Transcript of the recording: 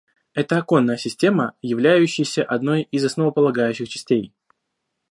Это оконная система, являющаяся одной из основополагающих частей